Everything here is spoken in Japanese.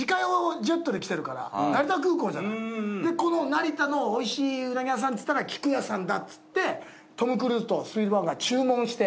成田のおいしいうなぎ屋さんっつったら菊屋さんだってトム・クルーズとスピルバーグが注文して。